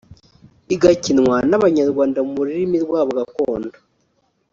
igakinwa n’abanyarwanda mu rurimi rwabo gakondo